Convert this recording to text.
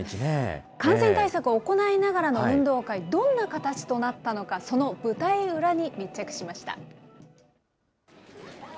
感染対策を行いながらの運動会、どんな形となったのか、その舞台裏に密着しました。